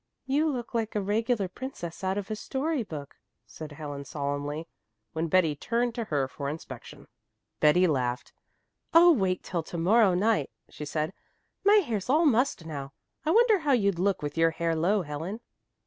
"You look like a regular princess out of a story book," said Helen solemnly, when Betty turned to her for inspection. Betty laughed. "Oh, wait till to morrow night," she said. "My hair's all mussed now. I wonder how you'd look with your hair low, Helen."